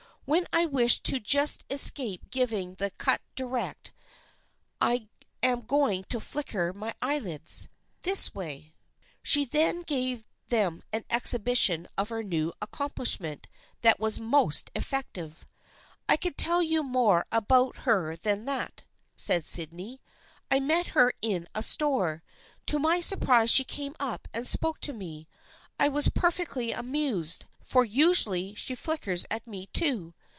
When I wish to just escape giving the cut direct I am going to flicker my eye lids. This way." She gave them an exhibition of her new accom plishment that was most effective. " I can tell you more about her than that," said Sydney. " I met her in a store. To my surprise she came up and spoke to me. I was perfectly amazed, for usually she flickers at me too.